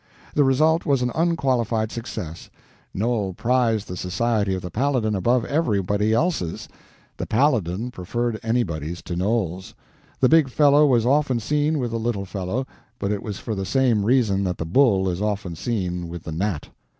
The result was an unqualified success. Noel prized the society of the Paladin above everybody else's; the Paladin preferred anybody's to Noel's. The big fellow was often seen with the little fellow, but it was for the same reason that the bull is often seen with the gnat.